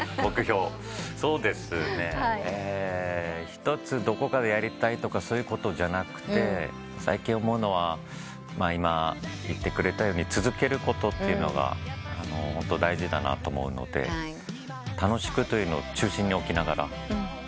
一つどこかでやりたいとかそういうことじゃなくて最近思うのは今言ってくれたように続けることっていうのがホント大事だなと思うので楽しくというのを中心に置きながら。